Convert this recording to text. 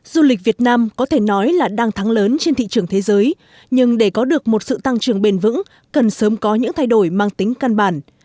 du lịch việt nam có thể nói là đang thắng lớn trên thị trường thế giới nhưng để có được một sự tăng trưởng bền vững cần sớm có những thay đổi mang tính căn bản